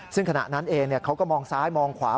ซึ่งขณะนั้นเองเขาก็มองซ้ายมองขวา